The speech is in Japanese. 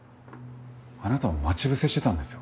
あなたを待ち伏せしてたんですよ。